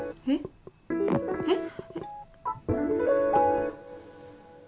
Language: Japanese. えっ？